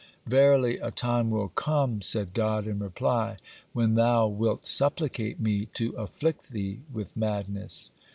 "Verily, a time will come," said God in reply, "when thou wilt supplicate me to afflict thee with madness."